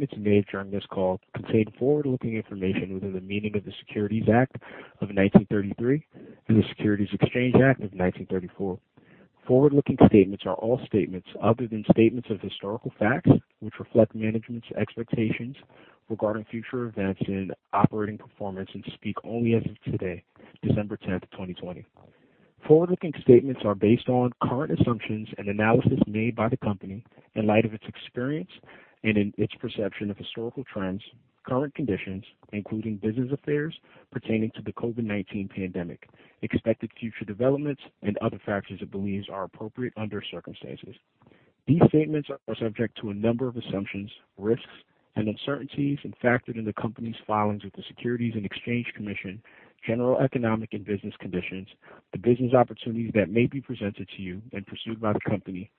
Statements made during this call contain forward-looking information within the meaning of the Securities Act of 1933 and the Securities Exchange Act of 1934. Forward-looking statements are all statements other than statements of historical facts, which reflect management's expectations regarding future events and operating performance, and speak only as of today, December 10th, 2020. Forward-looking statements are based on current assumptions and analysis made by the company in light of its experience and in its perception of historical trends, current conditions, including business affairs pertaining to the COVID-19 pandemic, expected future developments and other factors it believes are appropriate under circumstances. These statements are subject to a number of assumptions, risks, and uncertainties, and factored in the company's filings with the Securities and Exchange Commission, general economic and business conditions, the business opportunities that may be presented to you and pursued by the company,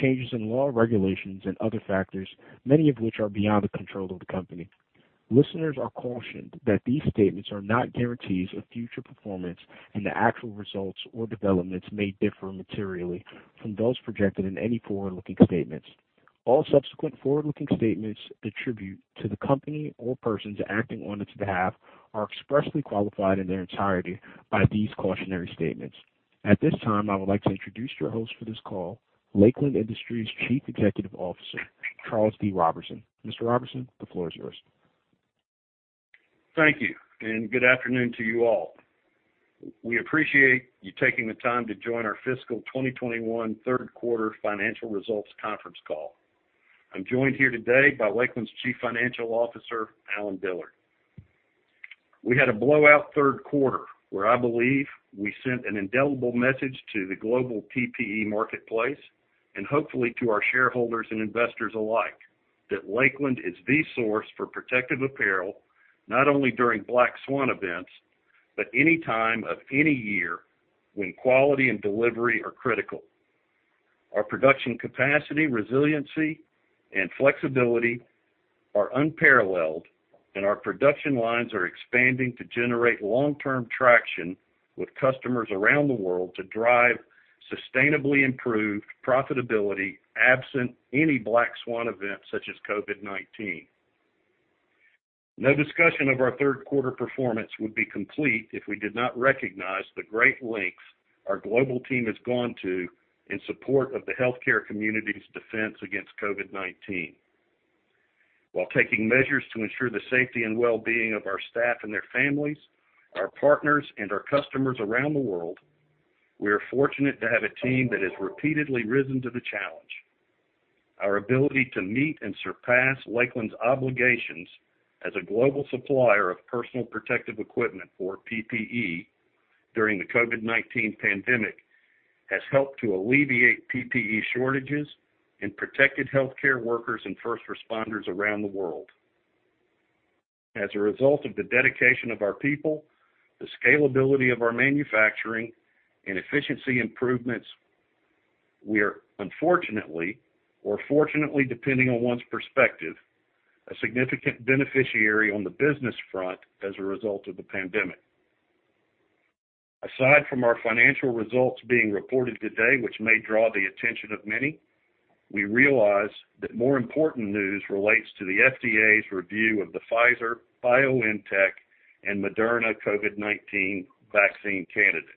changes in law, regulations, and other factors, many of which are beyond the control of the company. Listeners are cautioned that these statements are not guarantees of future performance, and the actual results or developments may differ materially from those projected in any forward-looking statements. All subsequent forward-looking statements attribute to the company or persons acting on its behalf are expressly qualified in their entirety by these cautionary statements. At this time, I would like to introduce your host for this call, Lakeland Industries Chief Executive Officer, Charles D. Roberson. Mr. Roberson, the floor is yours. Thank you, good afternoon to you all. We appreciate you taking the time to join our fiscal 2021 third quarter financial results conference call. I'm joined here today by Lakeland's Chief Financial Officer, Allen Dillard. We had a blowout third quarter, where I believe we sent an indelible message to the global PPE marketplace, and hopefully to our shareholders and investors alike, that Lakeland is the source for protective apparel, not only during black swan events, but any time of any year when quality and delivery are critical. Our production capacity, resiliency, and flexibility are unparalleled, and our production lines are expanding to generate long-term traction with customers around the world to drive sustainably improved profitability absent any black swan event, such as COVID-19. No discussion of our third quarter performance would be complete if we did not recognize the great lengths our global team has gone to in support of the healthcare community's defense against COVID-19. While taking measures to ensure the safety and wellbeing of our staff and their families, our partners, and our customers around the world, we are fortunate to have a team that has repeatedly risen to the challenge. Our ability to meet and surpass Lakeland's obligations as a global supplier of personal protective equipment for PPE during the COVID-19 pandemic has helped to alleviate PPE shortages and protected healthcare workers and first responders around the world. As a result of the dedication of our people, the scalability of our manufacturing, and efficiency improvements, we are unfortunately, or fortunately, depending on one's perspective, a significant beneficiary on the business front as a result of the pandemic. Aside from our financial results being reported today, which may draw the attention of many, we realize that more important news relates to the FDA's review of the Pfizer-BioNTech and Moderna COVID-19 vaccine candidates.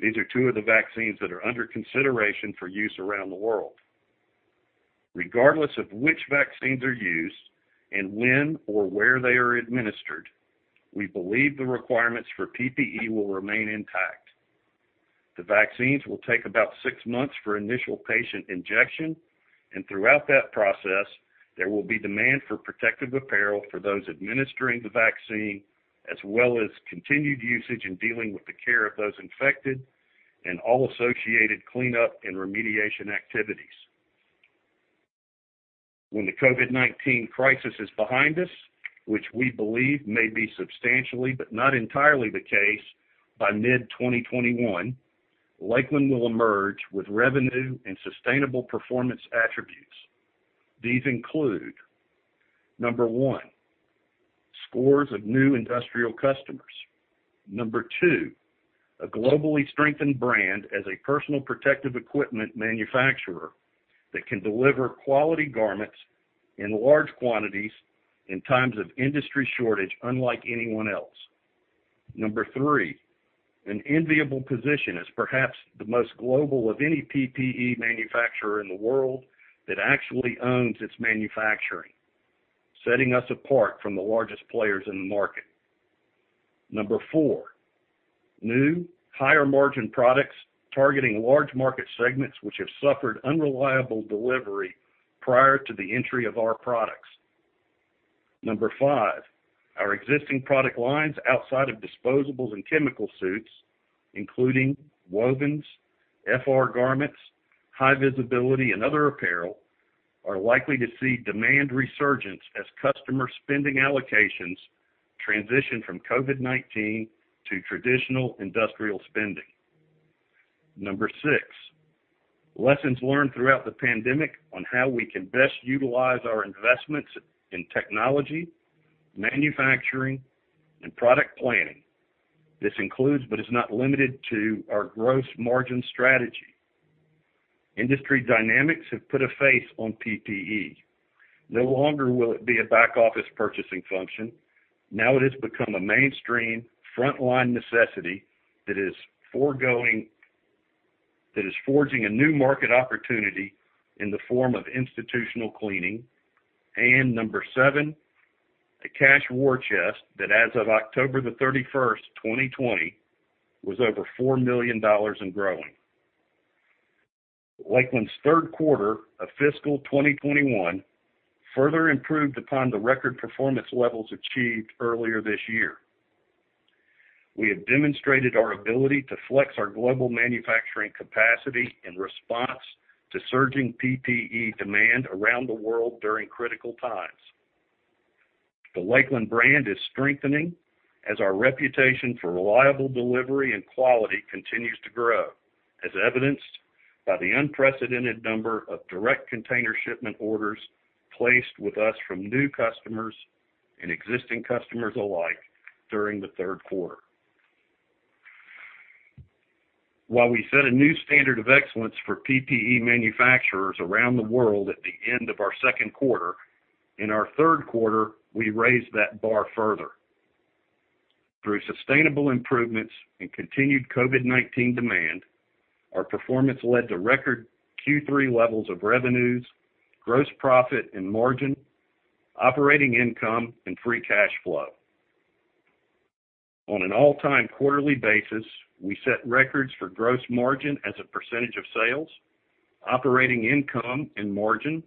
These are two of the vaccines that are under consideration for use around the world. Regardless of which vaccines are used and when or where they are administered, we believe the requirements for PPE will remain intact. The vaccines will take about six months for initial patient injection, and throughout that process, there will be demand for protective apparel for those administering the vaccine, as well as continued usage in dealing with the care of those infected and all associated cleanup and remediation activities. When the COVID-19 crisis is behind us, which we believe may be substantially but not entirely the case by mid 2021, Lakeland will emerge with revenue and sustainable performance attributes. These include, number one, scores of new industrial customers. Number two, a globally strengthened brand as a personal protective equipment manufacturer that can deliver quality garments in large quantities in times of industry shortage unlike anyone else. Number three, an enviable position as perhaps the most global of any PPE manufacturer in the world that actually owns its manufacturing, setting us apart from the largest players in the market. Number four, new higher margin products targeting large market segments which have suffered unreliable delivery prior to the entry of our products. Number five, our existing product lines outside of disposables and chemical suits, including wovens, FR garments, high visibility, and other apparel, are likely to see demand resurgence as customer spending allocations transition from COVID-19 to traditional industrial spending. Number six, lessons learned throughout the pandemic on how we can best utilize our investments in technology, manufacturing, and product plan. This includes, but is not limited to, our gross margin strategy. Industry dynamics have put a face on PPE. No longer will it be a back-office purchasing function. Now it has become a mainstream frontline necessity that is forging a new market opportunity in the form of institutional cleaning. And number seven, a cash war chest that as of October the 31st, 2020, was over $4 million and growing. Lakeland's third quarter of fiscal 2021 further improved upon the record performance levels achieved earlier this year. We have demonstrated our ability to flex our global manufacturing capacity in response to surging PPE demand around the world during critical times. The Lakeland brand is strengthening as our reputation for reliable delivery and quality continues to grow, as evidenced by the unprecedented number of direct container shipment orders placed with us from new customers and existing customers alike during the third quarter. While we set a new standard of excellence for PPE manufacturers around the world at the end of our second quarter, in our third quarter, we raised that bar further. Through sustainable improvements and continued COVID-19 demand, our performance led to record Q3 levels of revenues, gross profit and margin, operating income, and free cash flow. On an all-time quarterly basis, we set records for gross margin as a % of sales, operating income and margin,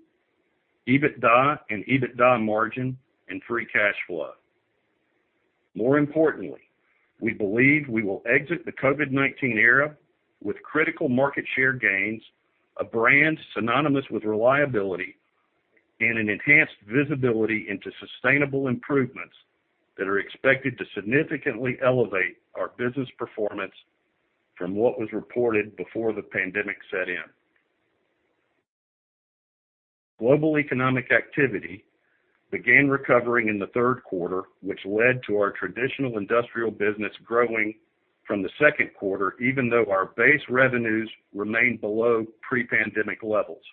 EBITDA and EBITDA margin, and free cash flow. More importantly, we believe we will exit the COVID-19 era with critical market share gains, a brand synonymous with reliability, and an enhanced visibility into sustainable improvements that are expected to significantly elevate our business performance from what was reported before the pandemic set in. Global economic activity began recovering in the third quarter, which led to our traditional industrial business growing from the second quarter, even though our base revenues remained below pre-pandemic levels.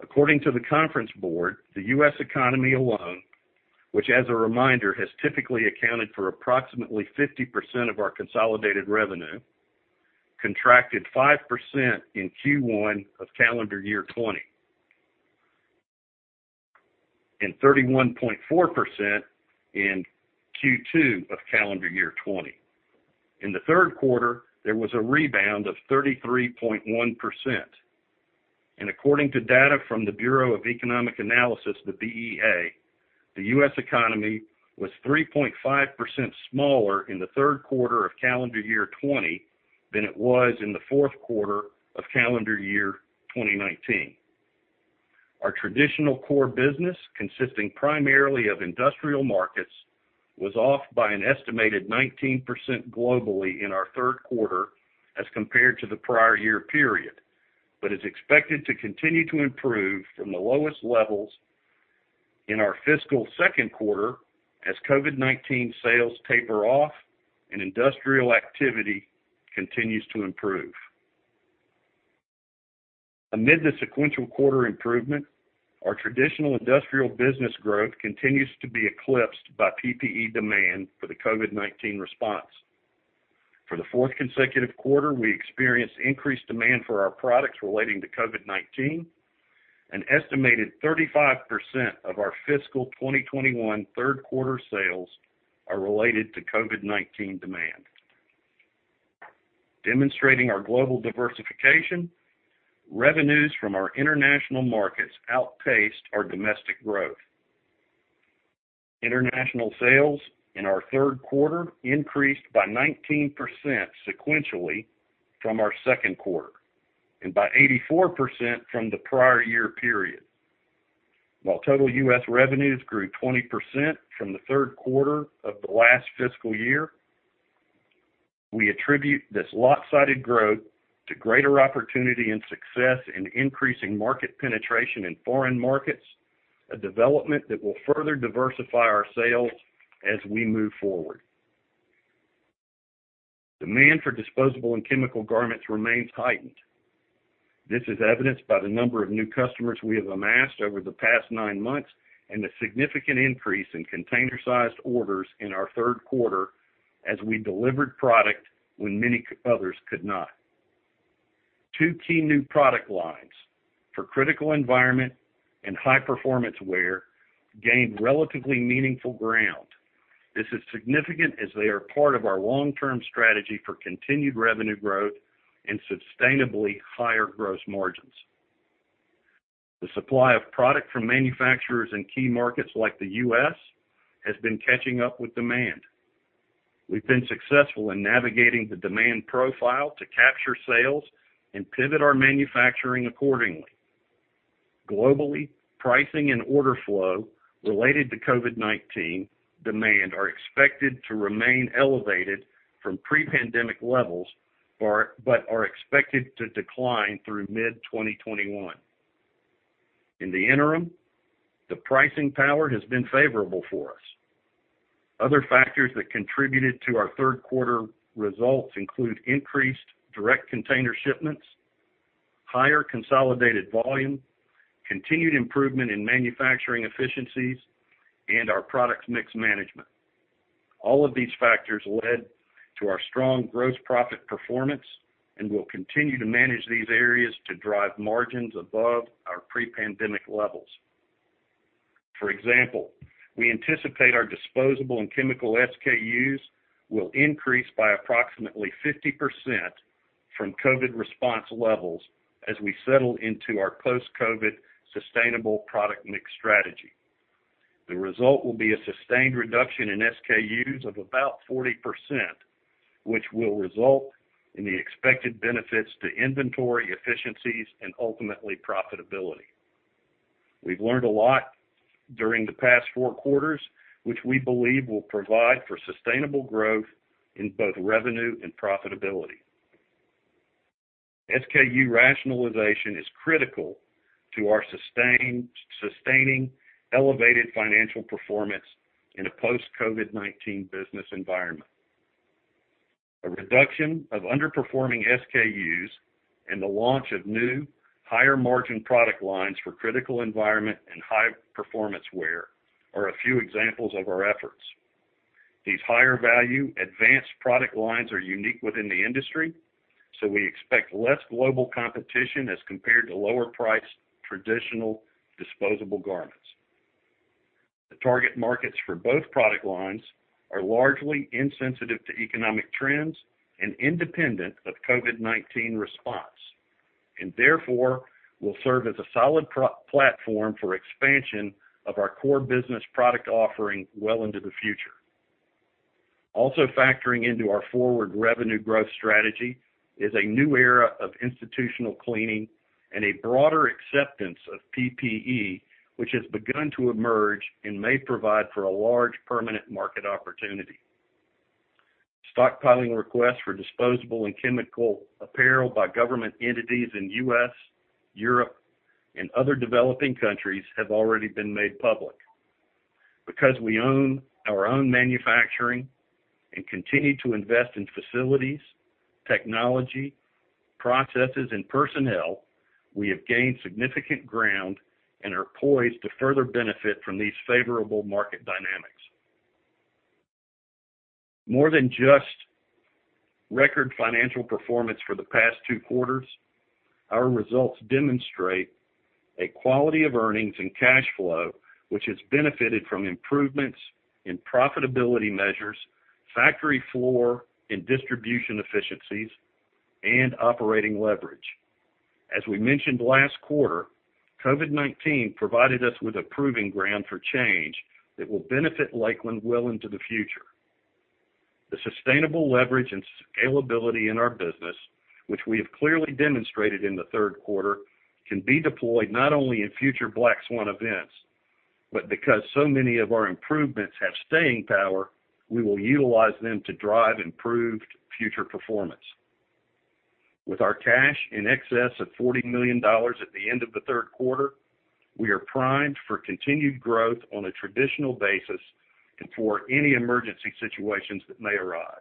According to The Conference Board, the U.S. economy alone, which as a reminder, has typically accounted for approximately 50% of our consolidated revenue, contracted 5% in Q1 of calendar year 2020, and 31.4% in Q2 of calendar year 2020. In the third quarter, there was a rebound of 33.1%. According to data from the Bureau of Economic Analysis, the BEA, the U.S. economy was 3.5% smaller in the third quarter of calendar year 2020 than it was in the fourth quarter of calendar year 2019. Our traditional core business, consisting primarily of industrial markets, was off by an estimated 19% globally in our third quarter as compared to the prior year period, but is expected to continue to improve from the lowest levels in our fiscal second quarter as COVID-19 sales taper off and industrial activity continues to improve. Amid the sequential quarter improvement, our traditional industrial business growth continues to be eclipsed by PPE demand for the COVID-19 response. For the fourth consecutive quarter, we experienced increased demand for our products relating to COVID-19. An estimated 35% of our fiscal 2021 third quarter sales are related to COVID-19 demand. Demonstrating our global diversification, revenues from our international markets outpaced our domestic growth. International sales in our third quarter increased by 19% sequentially from our second quarter, and by 84% from the prior year period. While total U.S. revenues grew 20% from the third quarter of the last fiscal year, we attribute this lopsided growth to greater opportunity and success in increasing market penetration in foreign markets, a development that will further diversify our sales as we move forward. Demand for disposable and chemical garments remains heightened. This is evidenced by the number of new customers we have amassed over the past nine months and the significant increase in container-sized orders in our third quarter as we delivered product when many others could not. Two key new product lines for critical environment and high-performance wear gained relatively meaningful ground. This is significant as they are part of our long-term strategy for continued revenue growth and sustainably higher gross margins. The supply of product from manufacturers in key markets like the U.S. has been catching up with demand. We've been successful in navigating the demand profile to capture sales and pivot our manufacturing accordingly. Globally, pricing and order flow related to COVID-19 demand are expected to remain elevated from pre-pandemic levels, but are expected to decline through mid-2021. In the interim, the pricing power has been favorable for us. Other factors that contributed to our third quarter results include increased direct container shipments, higher consolidated volume, continued improvement in manufacturing efficiencies, and our product mix management. All of these factors led to our strong gross profit performance, and we'll continue to manage these areas to drive margins above our pre-pandemic levels. For example, we anticipate our disposable and chemical SKUs will increase by approximately 50% from COVID response levels as we settle into our post-COVID sustainable product mix strategy. The result will be a sustained reduction in SKUs of about 40%, which will result in the expected benefits to inventory efficiencies and ultimately profitability. We've learned a lot during the past four quarters, which we believe will provide for sustainable growth in both revenue and profitability. SKU rationalization is critical to our sustaining elevated financial performance in a post-COVID-19 business environment. A reduction of underperforming SKUs and the launch of new higher margin product lines for critical environment and high performance wear are a few examples of our efforts. These higher value advanced product lines are unique within the industry. We expect less global competition as compared to lower priced traditional disposable garments. The target markets for both product lines are largely insensitive to economic trends and independent of COVID-19 response, therefore will serve as a solid platform for expansion of our core business product offering well into the future. Also factoring into our forward revenue growth strategy is a new era of institutional cleaning and a broader acceptance of PPE, which has begun to emerge and may provide for a large permanent market opportunity. Stockpiling requests for disposable and chemical apparel by government entities in U.S., Europe, and other developing countries have already been made public. Because we own our own manufacturing and continue to invest in facilities, technology, processes, and personnel, we have gained significant ground and are poised to further benefit from these favorable market dynamics. More than just record financial performance for the past two quarters, our results demonstrate a quality of earnings and cash flow, which has benefited from improvements in profitability measures, factory floor and distribution efficiencies, and operating leverage. As we mentioned last quarter, COVID-19 provided us with a proving ground for change that will benefit Lakeland well into the future. The sustainable leverage and scalability in our business, which we have clearly demonstrated in the third quarter, can be deployed not only in future black swan events, but because so many of our improvements have staying power, we will utilize them to drive improved future performance. With our cash in excess of $40 million at the end of the third quarter, we are primed for continued growth on a traditional basis and for any emergency situations that may arise.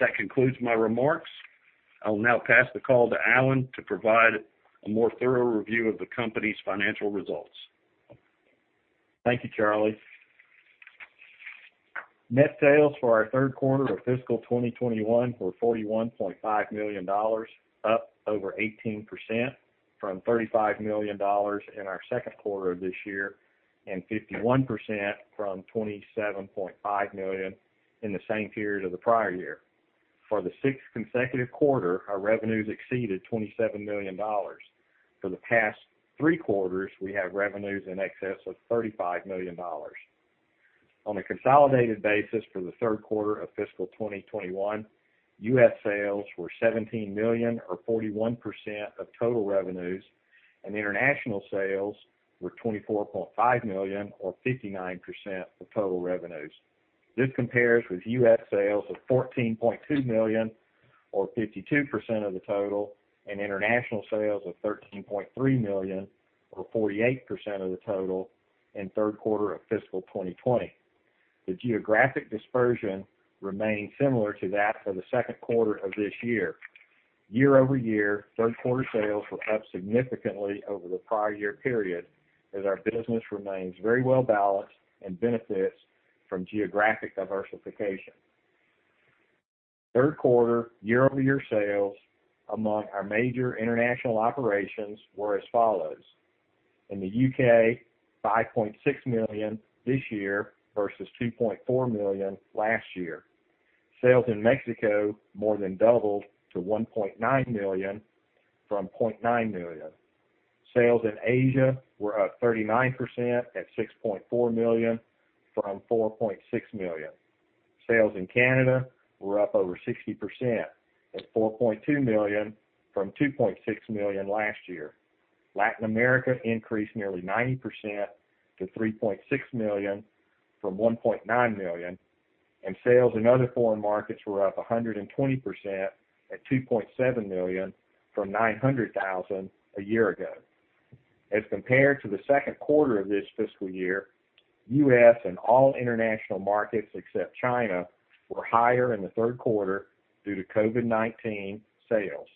That concludes my remarks. I will now pass the call to Allen to provide a more thorough review of the company's financial results. Thank you, Charlie. Net sales for our third quarter of fiscal 2021 were $41.5 million, up over 18% from $35 million in our second quarter of this year, and 51% from $27.5 million in the same period of the prior year. For the sixth consecutive quarter, our revenues exceeded $27 million. For the past three quarters, we have revenues in excess of $35 million. On a consolidated basis for the third quarter of fiscal 2021, U.S. sales were $17 million or 41% of total revenues, and international sales were $24.5 million or 59% of total revenues. This compares with U.S. sales of $14.2 million or 52% of the total, and international sales of $13.3 million or 48% of the total in third quarter of fiscal 2020. The geographic dispersion remained similar to that for the second quarter of this year. Year-over-year, third quarter sales were up significantly over the prior year period as our business remains very well balanced and benefits from geographic diversification. Third quarter year-over-year sales among our major international operations were as follows: In the U.K., $5.6 million this year versus $2.4 million last year. Sales in Mexico more than doubled to $1.9 million from $0.9 million. Sales in Asia were up 39% at $6.4 million from $4.6 million. Sales in Canada were up over 60% at $4.2 million from $2.6 million last year. Latin America increased nearly 90% to $3.6 million from $1.9 million. Sales in other foreign markets were up 120% at $2.7 million, from $900,000 a year ago. As compared to the second quarter of this fiscal year, U.S. and all international markets except China were higher in the third quarter due to COVID-19 sales.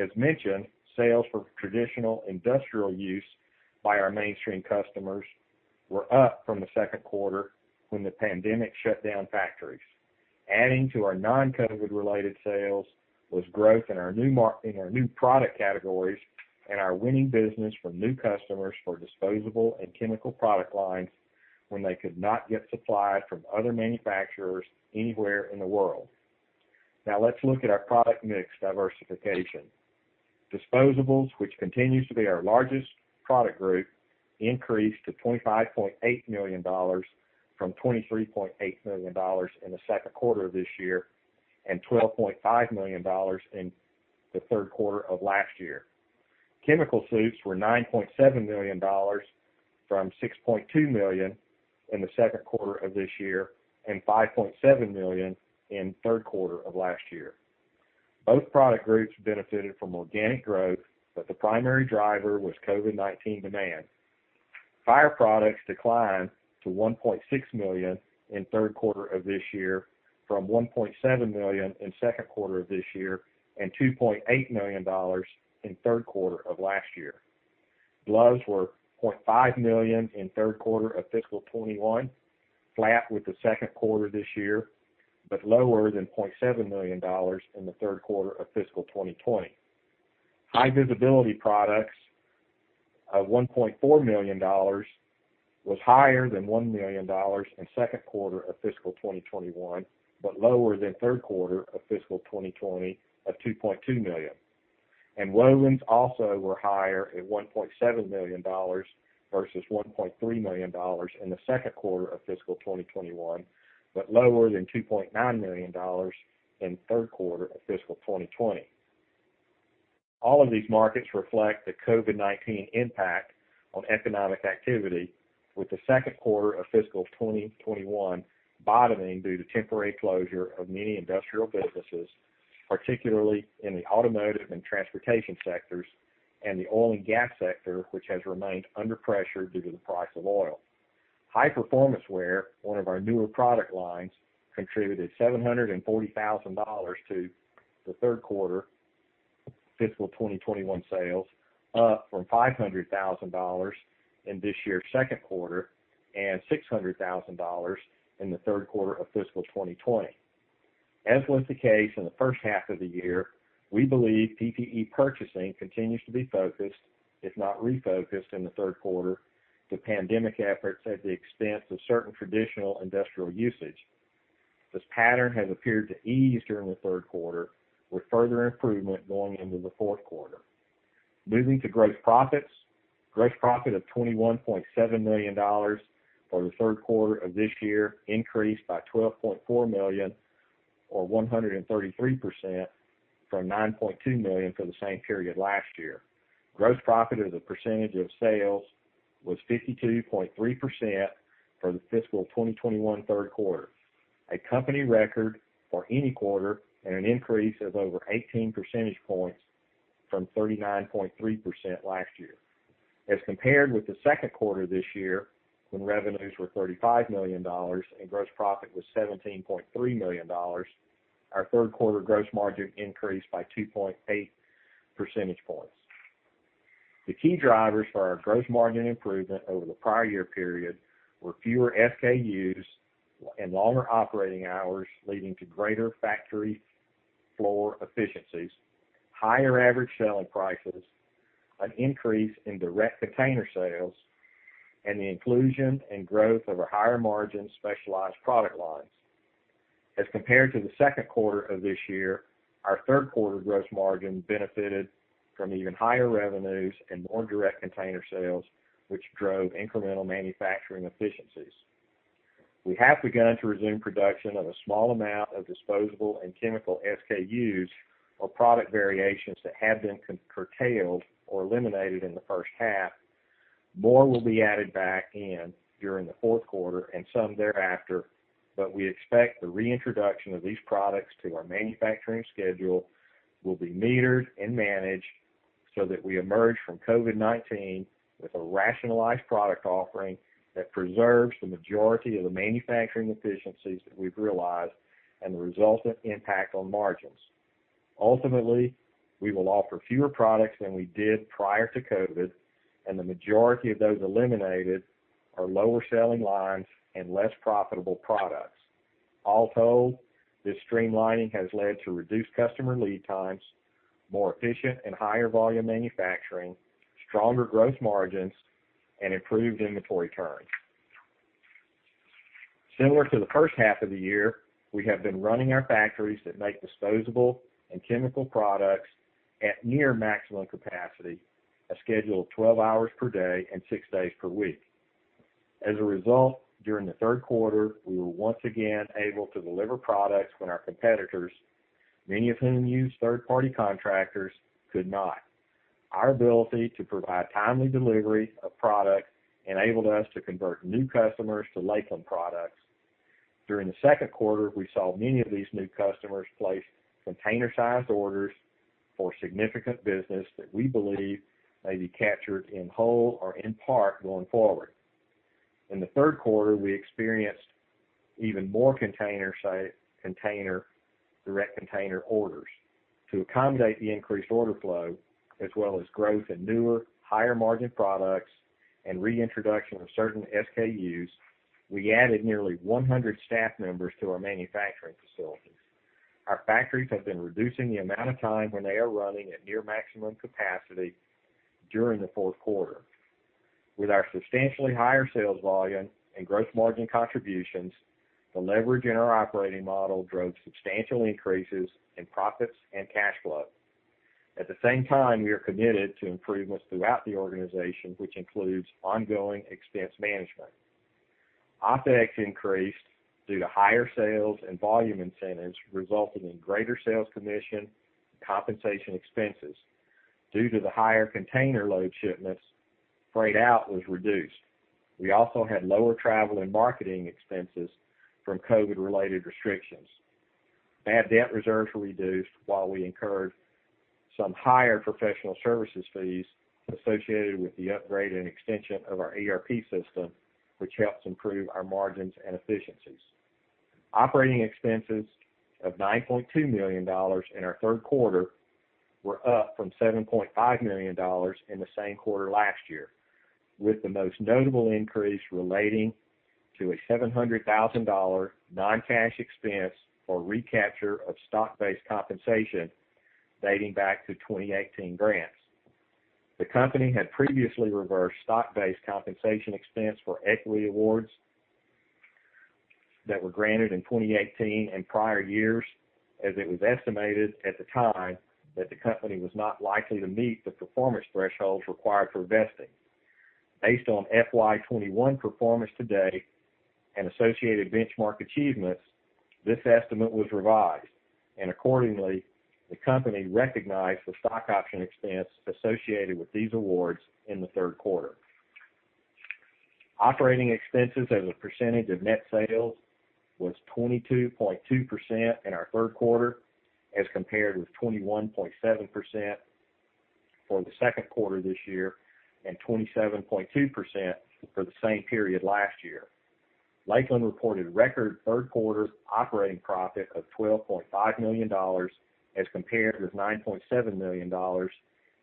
As mentioned, sales for traditional industrial use by our mainstream customers were up from the second quarter when the pandemic shut down factories. Adding to our non-COVID-19 related sales, was growth in our new product categories and our wovens business from new customers for disposable and chemical product lines when they could not get supply from other manufacturers anywhere in the world. Let's look at our product mix diversification. Disposables, which continues to be our largest product group, increased to $25.8 million from $23.8 million in the second quarter of this year, and $12.5 million in the third quarter of last year. Chemical suits were $9.7 million from $6.2 million in the second quarter of this year, and $5.7 million in third quarter of last year. Both product groups benefited from organic growth, but the primary driver was COVID-19 demand. Fire products declined to $1.6 million in third quarter of this year from $1.7 million in second quarter of this year, $2.8 million in third quarter of last year. Gloves were $5 million in third quarter of fiscal 2021, flat with the second quarter this year, but lower than $0.7 million in the third quarter of fiscal 2020. High visibility products, at $1.4 million, was higher than $1 million in second quarter of fiscal 2021, but lower than third quarter of fiscal 2020 at $2.2 million. Wovens also were higher at $1.7 million versus $1.3 million in the second quarter of fiscal 2021, but lower than $2.9 million in third quarter of fiscal 2020. All of these markets reflect the COVID-19 impact on economic activity with the second quarter of fiscal 2021 bottoming due to temporary closure of many industrial businesses, particularly in the automotive and transportation sectors, and the oil and gas sector, which has remained under pressure due to the price of oil. High performance wear, one of our newer product lines, contributed $740,000 to the third quarter fiscal 2021 sales, up from $500,000 in this year's second quarter, and $600,000 in the third quarter of fiscal 2020. As was the case in the first half of the year, we believe PPE purchasing continues to be focused, if not refocused in the third quarter to pandemic efforts at the expense of certain traditional industrial usage. This pattern has appeared to ease during the third quarter, with further improvement going into the fourth quarter. Moving to gross profits. Gross profit of $21.7 million for the third quarter of this year increased by $12.4 million or 133% from $9.2 million for the same period last year. Gross profit as a percentage of sales was 52.3% for the fiscal 2021 third quarter, a company record for any quarter, and an increase of over 18 percentage points from 39.3% last year. As compared with the second quarter this year, when revenues were $35 million and gross profit was $17.3 million, our third quarter gross margin increased by 2.8 percentage points. The key drivers for our gross margin improvement over the prior year period were fewer SKUs and longer operating hours, leading to greater factory floor efficiencies, higher average selling prices, an increase in direct container sales, and the inclusion and growth of our higher margin specialized product lines. As compared to the second quarter of this year, our third quarter gross margin benefited from even higher revenues and more direct container sales, which drove incremental manufacturing efficiencies. We have begun to resume production of a small amount of disposable and chemical SKUs or product variations that have been curtailed or eliminated in the first half. More will be added back in during the fourth quarter and some thereafter, but we expect the reintroduction of these products to our manufacturing schedule will be metered and managed so that we emerge from COVID-19 with a rationalized product offering that preserves the majority of the manufacturing efficiencies that we've realized and the resultant impact on margins. Ultimately, we will offer fewer products than we did prior to COVID, and the majority of those eliminated are lower selling lines and less profitable products. All told, this streamlining has led to reduced customer lead times, more efficient and higher volume manufacturing, stronger gross margins, and improved inventory turns. Similar to the first half of the year, we have been running our factories that make disposable and chemical products at near maximum capacity, a schedule of 12 hours per day and six days per week. As a result, during the third quarter, we were once again able to deliver products when our competitors, many of whom use third party contractors, could not. Our ability to provide timely delivery of product enabled us to convert new customers to Lakeland products. During the second quarter, we saw many of these new customers place container-sized orders for significant business that we believe may be captured in whole or in part going forward. In the third quarter, we experienced even more direct container orders. To accommodate the increased order flow as well as growth in newer, higher margin products and reintroduction of certain SKUs, we added nearly 100 staff members to our manufacturing facilities. Our factories have been reducing the amount of time when they are running at near maximum capacity during the fourth quarter. With our substantially higher sales volume and gross margin contributions, the leverage in our operating model drove substantial increases in profits and cash flow. At the same time, we are committed to improvements throughout the organization, which includes ongoing expense management. OpEx increased due to higher sales and volume incentives resulting in greater sales commission and compensation expenses. Due to the higher container load shipments, freight out was reduced. We also had lower travel and marketing expenses from COVID related restrictions. Bad debt reserves were reduced while we incurred some higher professional services fees associated with the upgrade and extension of our ERP system, which helps improve our margins and efficiencies. Operating expenses of $9.2 million in our third quarter were up from $7.5 million in the same quarter last year, with the most notable increase relating to a $700,000 non-cash expense for recapture of stock-based compensation dating back to 2018 grants. The company had previously reversed stock-based compensation expense for equity awards that were granted in 2018 and prior years, as it was estimated at the time that the company was not likely to meet the performance thresholds required for vesting. Based on FY21 performance today and associated benchmark achievements, this estimate was revised, and accordingly, the company recognized the stock option expense associated with these awards in the third quarter. Operating expenses as a percentage of net sales was 22.2% in our third quarter, as compared with 21.7% for the second quarter this year and 27.2% for the same period last year. Lakeland reported record third quarter operating profit of $12.5 million as compared with $9.7 million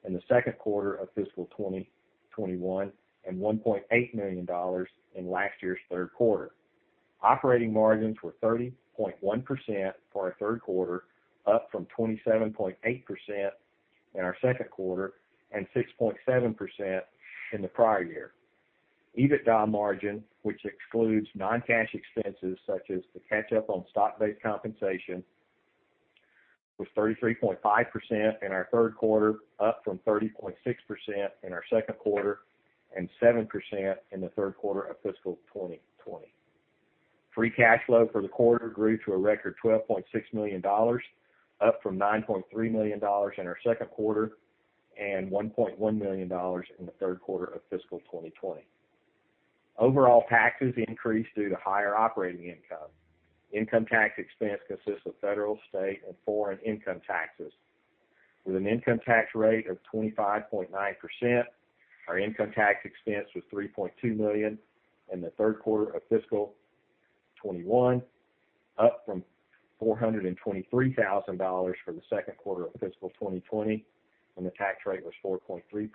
in the second quarter of fiscal 2021, and $1.8 million in last year's third quarter. Operating margins were 30.1% for our third quarter, up from 27.8% in our second quarter and 6.7% in the prior year. EBITDA margin, which excludes non-cash expenses such as the catch up on stock-based compensation, was 33.5% in our third quarter, up from 30.6% in our second quarter and 7% in the third quarter of fiscal 2020. Free cash flow for the quarter grew to a record $12.6 million, up from $9.3 million in our second quarter and $1.1 million in the third quarter of fiscal 2020. Overall taxes increased due to higher operating income. Income tax expense consists of federal, state, and foreign income taxes. With an income tax rate of 25.9%, our income tax expense was $3.2 million in the third quarter of fiscal 2021, up from $423,000 for the second quarter of fiscal 2020 when the tax rate was 4.3%,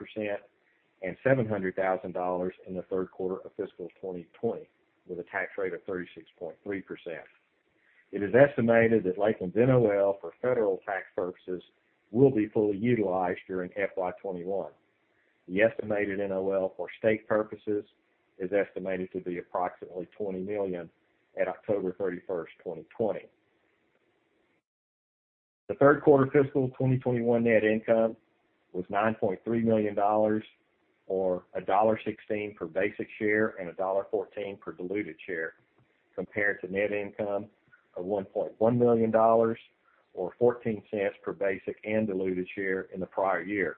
and $700,000 in the third quarter of fiscal 2020 with a tax rate of 36.3%. It is estimated that Lakeland's NOL for federal tax purposes will be fully utilized during FY 2021. The estimated NOL for state purposes is estimated to be approximately $20 million at October 31st, 2020. The third quarter fiscal 2021 net income was $9.3 million, or a $1.16 per basic share and a $1.14 per diluted share, compared to net income of $1.1 million or $0.14 per basic and diluted share in the prior year.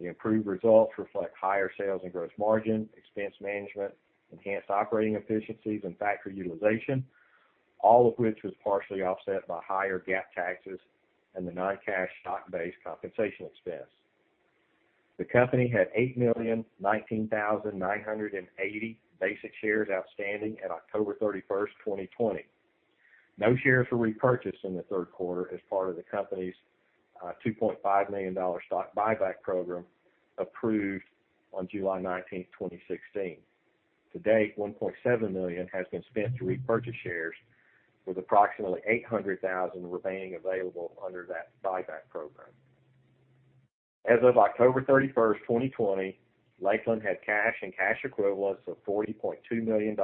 The improved results reflect higher sales and gross margin, expense management, enhanced operating efficiencies, and factory utilization, all of which was partially offset by higher GAAP taxes and the non-cash stock-based compensation expense. The company had 8,019,980 basic shares outstanding at October 31st, 2020. No shares were repurchased in the third quarter as part of the company's $2.5 million stock buyback program approved on July 19th, 2016. To date, $1.7 million has been spent to repurchase shares, with approximately $800,000 remaining available under that buyback program. As of October 31st, 2020, Lakeland had cash and cash equivalents of $40.2 million,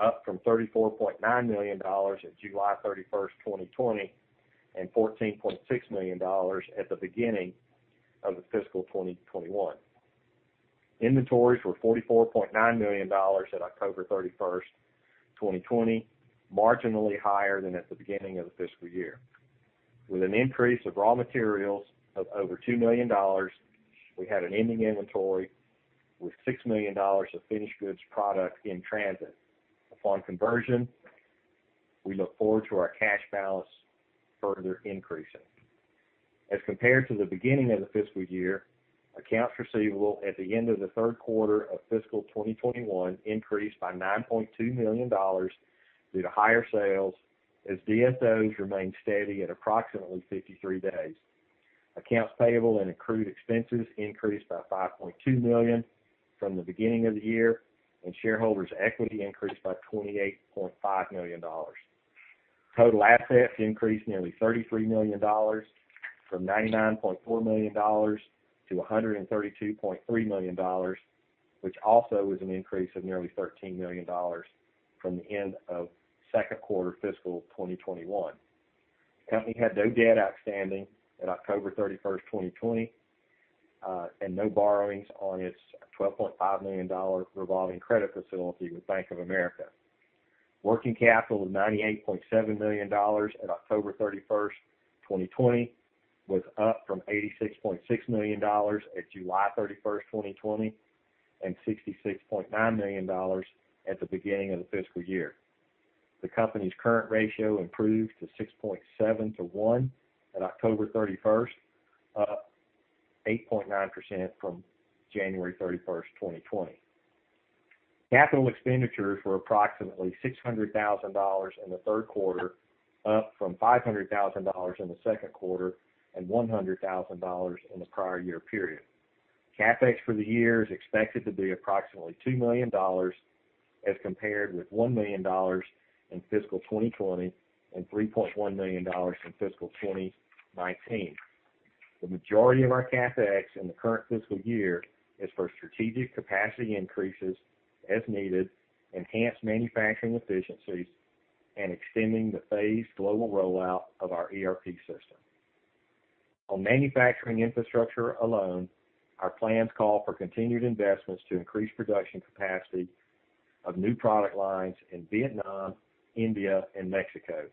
up from $34.9 million at July 31st, 2020, and $14.6 million at the beginning of the fiscal 2021. Inventories were $44.9 million at October 31st, 2020, marginally higher than at the beginning of the fiscal year. With an increase of raw materials of over $2 million, we had an ending inventory with $6 million of finished goods product in transit. Upon conversion, we look forward to our cash balance further increasing. As compared to the beginning of the fiscal year, accounts receivable at the end of the third quarter of fiscal 2021 increased by $9.2 million due to higher sales, as DSOs remained steady at approximately 53 days. Accounts payable and accrued expenses increased by $5.2 million from the beginning of the year, and shareholders' equity increased by $28.5 million. Total assets increased nearly $33 million, from $99.4 million to $132.3 million, which also is an increase of nearly $13 million from the end of second quarter fiscal 2021. The company had no debt outstanding at October 31st, 2020, and no borrowings on its $12.5 million revolving credit facility with Bank of America. Working capital was $98.7 million at October 31st, 2020, was up from $86.6 million at July 31st, 2020, and $66.9 million at the beginning of the fiscal year. The company's current ratio improved to 6.7:1 at October 31st, up 8.9% from January 31st, 2020. Capital expenditures were approximately $600,000 in the third quarter, up from $500,000 in the second quarter and $100,000 in the prior year period. CapEx for the year is expected to be approximately $2 million as compared with $1 million in fiscal 2020 and $3.1 million in fiscal 2019. The majority of our CapEx in the current fiscal year is for strategic capacity increases as needed, enhanced manufacturing efficiencies, and extending the phased global rollout of our ERP system. On manufacturing infrastructure alone, our plans call for continued investments to increase production capacity of new product lines in Vietnam, India, and Mexico.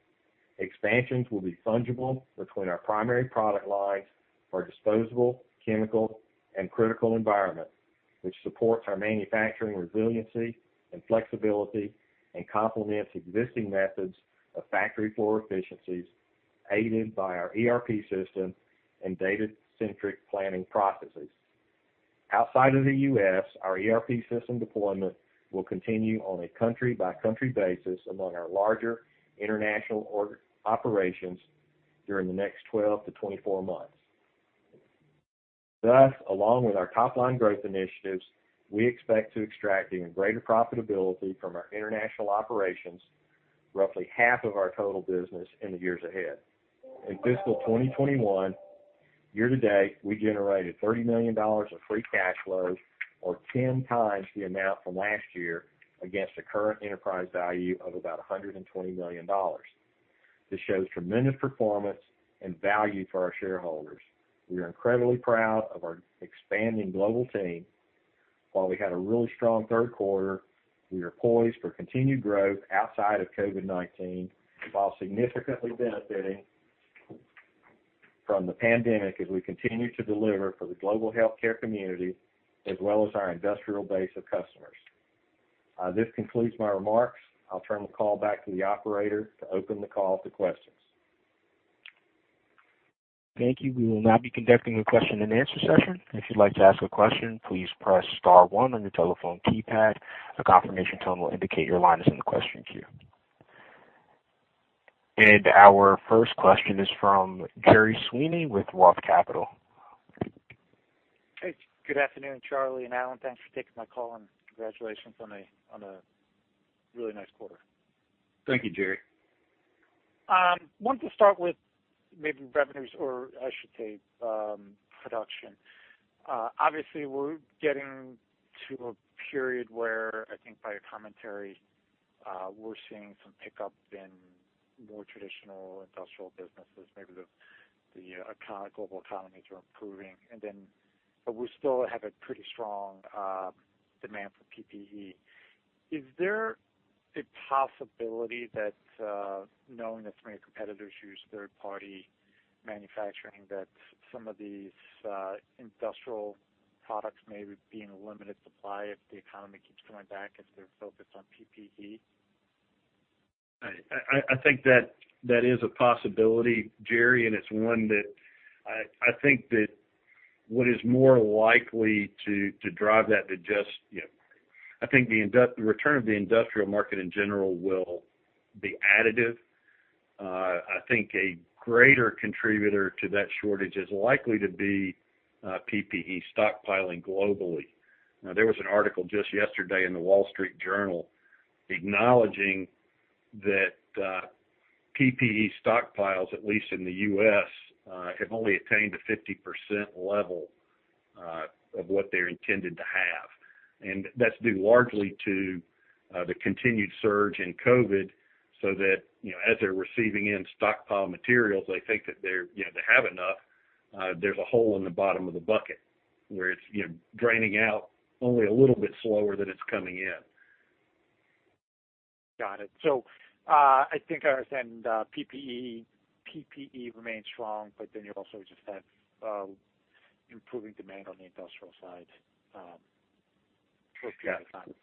Expansions will be fungible between our primary product lines for disposable, chemical, and critical environment, which supports our manufacturing resiliency and flexibility and complements existing methods of factory floor efficiencies, aided by our ERP system and data-centric planning processes. Outside of the U.S., our ERP system deployment will continue on a country-by-country basis among our larger international operations during the next 12-24 months. Along with our top-line growth initiatives, we expect to extract even greater profitability from our international operations, roughly half of our total business in the years ahead. In fiscal 2021, year to date, we generated $30 million of free cash flow or 10 times the amount from last year against the current enterprise value of about $120 million. This shows tremendous performance and value for our shareholders. We are incredibly proud of our expanding global team. While we had a really strong third quarter, we are poised for continued growth outside of COVID-19 while significantly benefiting from the pandemic as we continue to deliver for the global healthcare community as well as our industrial base of customers. This concludes my remarks. I'll turn the call back to the operator to open the call to questions. Our first question is from Gerry Sweeney with ROTH Capital. Hey, good afternoon, Charlie and Allen. Thanks for taking my call and congratulations on a really nice quarter. Thank you, Gerry. I want to start with maybe revenues or I should say, production. Obviously, we're getting to a period where I think by your commentary, we're seeing some pickup in more traditional industrial businesses. Maybe the global economies are improving. We still have a pretty strong demand for PPE. Is there a possibility that, knowing that many competitors use third-party manufacturing, that some of these industrial products may be in a limited supply if the economy keeps coming back, if they're focused on PPE? I think that is a possibility, Gerry, and it's one that I think that what is more likely to drive that. I think the return of the industrial market in general will be additive. I think a greater contributor to that shortage is likely to be PPE stockpiling globally. There was an article just yesterday in The Wall Street Journal acknowledging that PPE stockpiles, at least in the U.S., have only attained a 50% level of what they're intended to have. That's due largely to the continued surge in COVID, so that as they're receiving in stockpile materials, they think that they have enough. There's a hole in the bottom of the bucket where it's draining out only a little bit slower than it's coming in. Got it. I think I understand PPE remains strong, but then you also just have improving demand on the industrial side. Yes.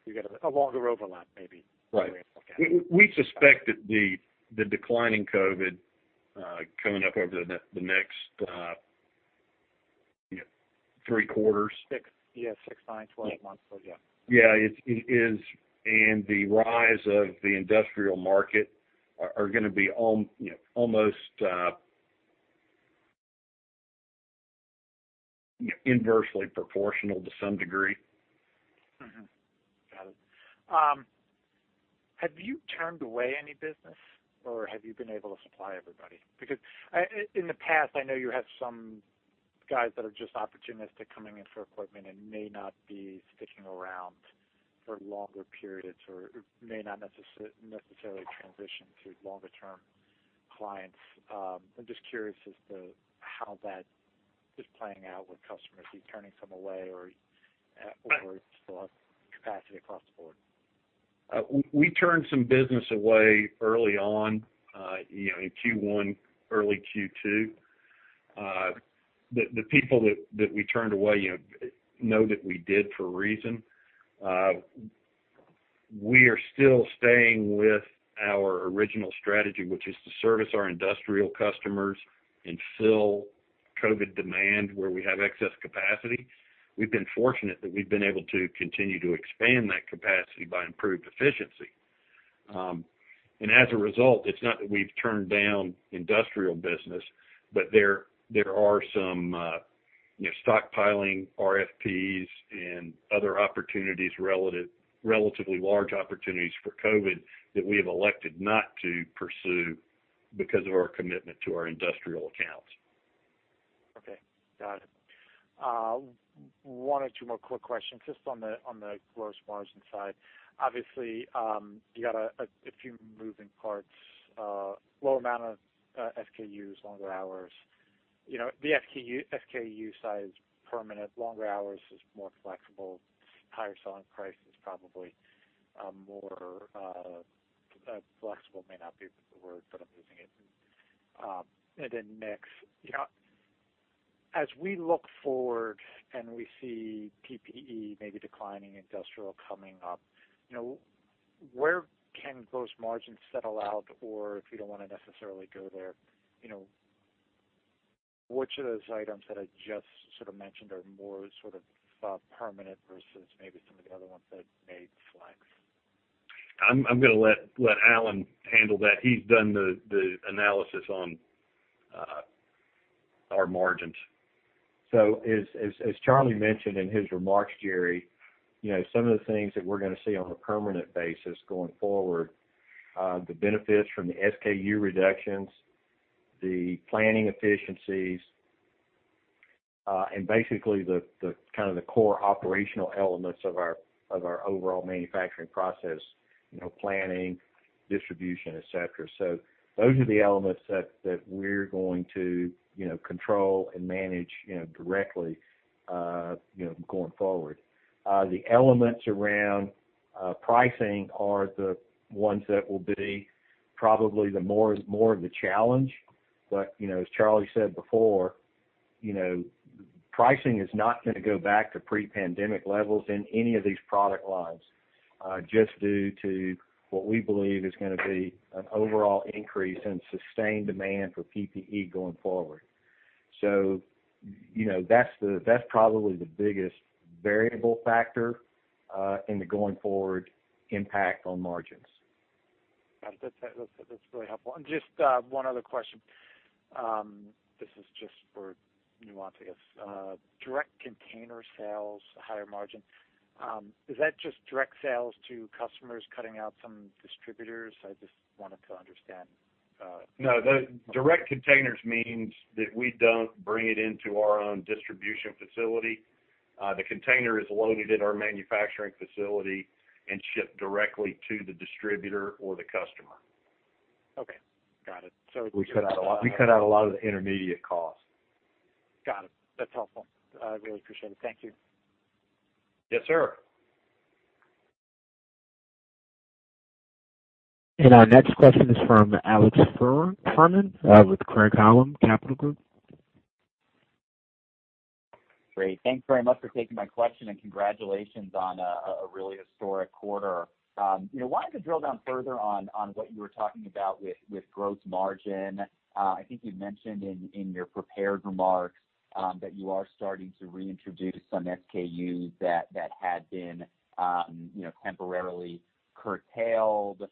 You get a longer overlap, maybe. Right. Okay. We suspect that the declining COVID-19, coming up over the next three quarters. Six. Yeah, six, nine, 12 months. Yeah. Yeah. The rise of the industrial market are going to be almost inversely proportional to some degree. Got it. Have you turned away any business, or have you been able to supply everybody? In the past, I know you had some guys that are just opportunistic coming in for equipment and may not be sticking around for longer periods or may not necessarily transition to longer-term clients. I'm just curious as to how that is playing out with customers. Are you turning some away or still have capacity across the board? We turned some business away early on, in Q1, early Q2. The people that we turned away know that we did for a reason. We are still staying with our original strategy, which is to service our industrial customers and fill COVID demand where we have excess capacity. We've been fortunate that we've been able to continue to expand that capacity by improved efficiency. As a result, it's not that we've turned down industrial business, but there are some stockpiling RFPs and other relatively large opportunities for COVID that we have elected not to pursue because of our commitment to our industrial accounts. Okay. Got it. One or two more quick questions, just on the gross margin side. Obviously, you got a few moving parts, low amount of SKUs, longer hours. The SKU size is permanent. Longer hours is more flexible. Higher selling price is probably more flexible may not be the word, but I'm using it. Mix. As we look forward and we see PPE maybe declining, industrial coming up, where can gross margins settle out? If you don't want to necessarily go there, which of those items that I just sort of mentioned are more sort of permanent versus maybe some of the other ones that may flex? I'm going to let Alan handle that. He's done the analysis on our margins. As Charlie mentioned in his remarks, Gerry, some of the things that we're going to see on a permanent basis going forward, the benefits from the SKU reductions, the planning efficiencies, and basically the core operational elements of our overall manufacturing process, planning, distribution, et cetera. Those are the elements that we're going to control and manage directly going forward. The elements around pricing are the ones that will be probably more of the challenge. As Charlie said before, pricing is not going to go back to pre-pandemic levels in any of these product lines, just due to what we believe is going to be an overall increase in sustained demand for PPE going forward. That's probably the biggest variable factor in the going forward impact on margins. Got it. That's really helpful. Just one other question. This is just for nuance, I guess. Direct container sales, higher margin. Is that just direct sales to customers cutting out some distributors? I just wanted to understand. No. Direct containers means that we don't bring it into our own distribution facility. The container is loaded at our manufacturing facility and shipped directly to the distributor or the customer. Okay. Got it. We cut out a lot of the intermediate costs. Got it. That's helpful. I really appreciate it. Thank you. Yes, sir. Our next question is from Alex Fuhrman with Craig-Hallum Capital Group. Great. Thanks very much for taking my question, and congratulations on a really historic quarter. Wanted to drill down further on what you were talking about with gross margin. I think you mentioned in your prepared remarks that you are starting to reintroduce some SKUs that had been temporarily curtailed.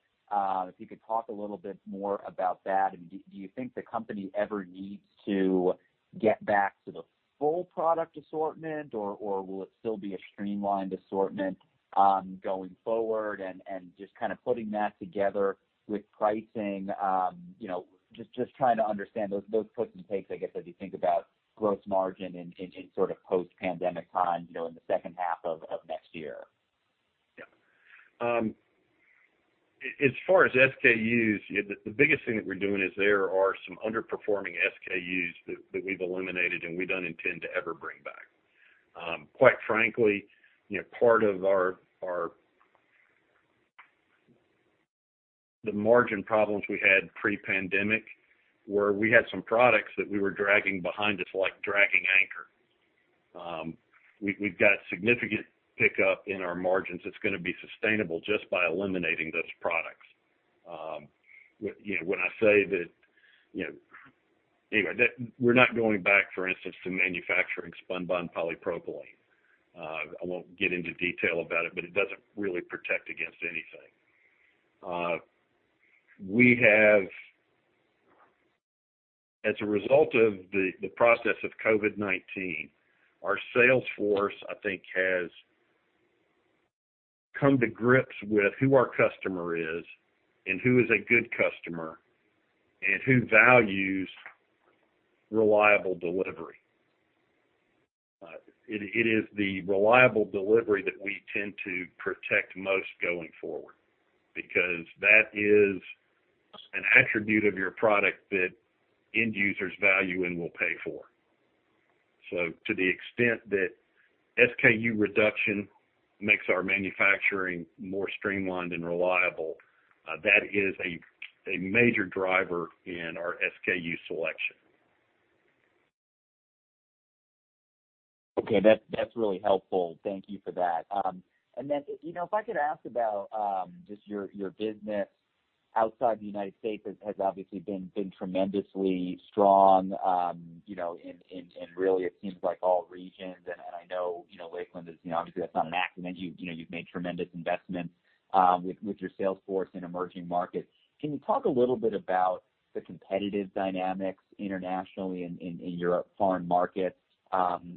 If you could talk a little bit more about that, and do you think the company ever needs to get back to the full product assortment, or will it still be a streamlined assortment going forward, and just kind of putting that together with pricing, just trying to understand those puts and takes, I guess, as you think about gross margin in sort of post-pandemic times, in the second half of next year? Yeah. As far as SKUs, the biggest thing that we're doing is there are some underperforming SKUs that we've eliminated, and we don't intend to ever bring back. Quite frankly, part of the margin problems we had pre-pandemic were we had some products that we were dragging behind us like dragging anchor. We've got significant pickup in our margins that's going to be sustainable just by eliminating those products. We're not going back, for instance, to manufacturing spunbond polypropylene. I won't get into detail about it, but it doesn't really protect against anything. As a result of the process of COVID-19, our sales force, I think, has come to grips with who our customer is, and who is a good customer, and who values reliable delivery. It is the reliable delivery that we tend to protect most going forward, because that is an attribute of your product that end users value and will pay for. To the extent that SKU reduction makes our manufacturing more streamlined and reliable, that is a major driver in our SKU selection. Okay. That's really helpful. Thank you for that. If I could ask about just your business outside the U.S. has obviously been tremendously strong, and really it seems like all regions. I know Lakeland is, obviously that's not an accident. You've made tremendous investments with your sales force in emerging markets. Can you talk a little bit about the competitive dynamics internationally in your foreign markets? Do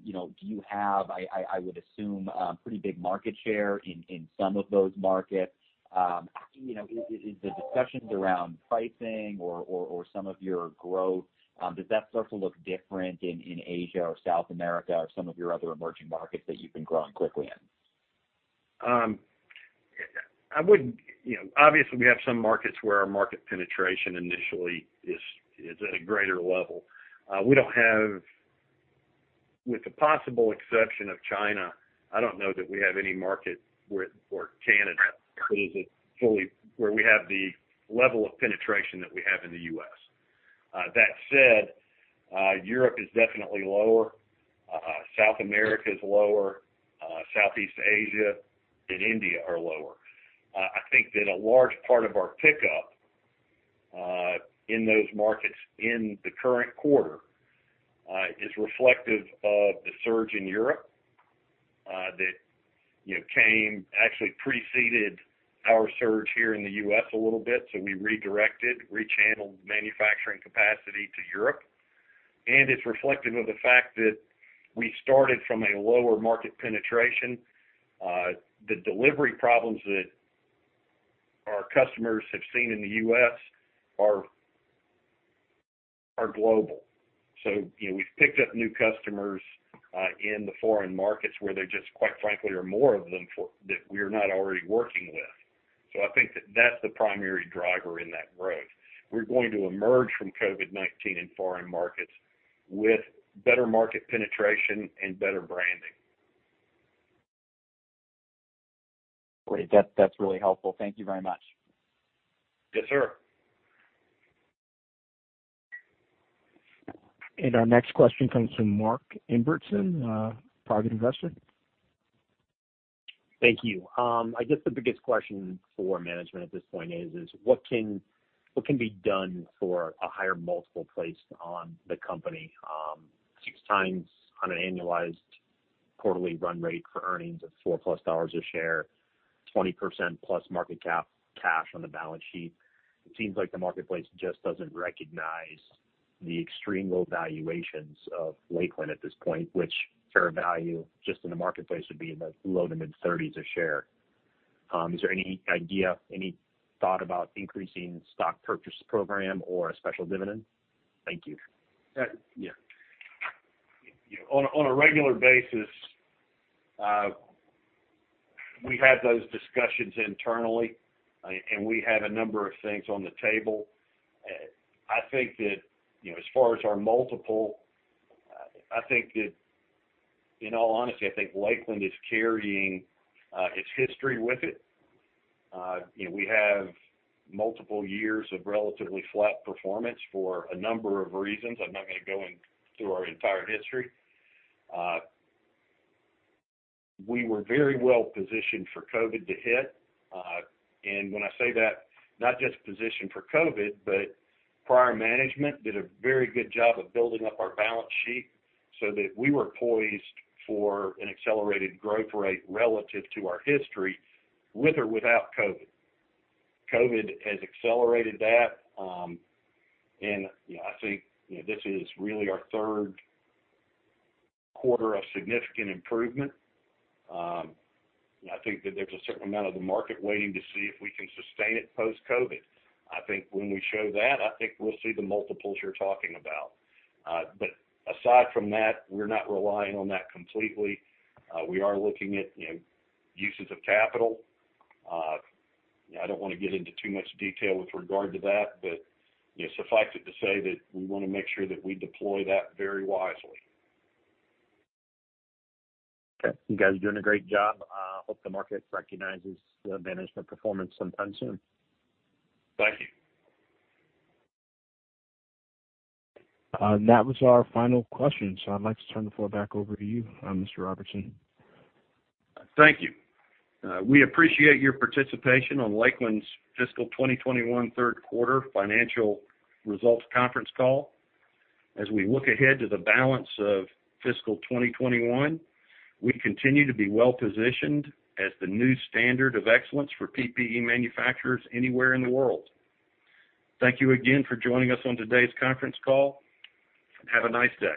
you have, I would assume, pretty big market share in some of those markets? Is the discussions around pricing or some of your growth, does that start to look different in Asia or South America or some of your other emerging markets that you've been growing quickly in? Obviously, we have some markets where our market penetration initially is at a greater level. With the possible exception of China, I don't know that we have any market, or Canada, where we have the level of penetration that we have in the U.S. That said, Europe is definitely lower. South America is lower. Southeast Asia and India are lower. I think that a large part of our pickup in those markets in the current quarter is reflective of the surge in Europe that actually preceded our surge here in the U.S. a little bit. We redirected, rechanneled manufacturing capacity to Europe. It's reflective of the fact that we started from a lower market penetration. The delivery problems that our customers have seen in the U.S. are global. We've picked up new customers in the foreign markets where there just, quite frankly, are more of them that we're not already working with. I think that that's the primary driver in that growth. We're going to emerge from COVID-19 in foreign markets with better market penetration and better branding. Great. That's really helpful. Thank you very much. Yes, sir. Our next question comes from Mark Embertson, Private Investor. Thank you. I guess the biggest question for management at this point is, what can be done for a higher multiple placed on the company? 6x on an annualized quarterly run rate for earnings of $4 plus of a share, +20% market cap cash on the balance sheet. It seems like the marketplace just doesn't recognize the extreme low valuations of Lakeland at this point, which fair value just in the marketplace would be in the low to mid-$30s a share. Is there any idea, any thought about increasing stock purchase program or a special dividend? Thank you. Yeah. On a regular basis, we have those discussions internally, and we have a number of things on the table. As far as our multiple, in all honesty, I think Lakeland is carrying its history with it. We have multiple years of relatively flat performance for a number of reasons. I'm not going to go in through our entire history. We were very well positioned for COVID to hit. When I say that, not just positioned for COVID, but prior management did a very good job of building up our balance sheet so that we were poised for an accelerated growth rate relative to our history with or without COVID. COVID has accelerated that. I think this is really our third quarter of significant improvement. I think that there's a certain amount of the market waiting to see if we can sustain it post-COVID. I think when we show that, I think we'll see the multiples you're talking about. Aside from that, we're not relying on that completely. We are looking at uses of capital. I don't want to get into too much detail with regard to that, but suffice it to say that we want to make sure that we deploy that very wisely. Okay. You guys are doing a great job. I hope the market recognizes the management performance sometime soon. Thank you. That was our final question, so I'd like to turn the floor back over to you, Mr. Roberson. Thank you. We appreciate your participation on Lakeland's fiscal 2021 third quarter financial results conference call. As we look ahead to the balance of fiscal 2021, we continue to be well-positioned as the new standard of excellence for PPE manufacturers anywhere in the world. Thank you again for joining us on today's conference call. Have a nice day.